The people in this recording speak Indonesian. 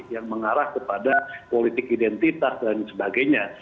yang mengarah kepada politik identitas dan sebagainya